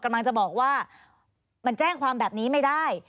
กำลังจะบอกว่ามันแจ้งความแบบนี้ไม่ได้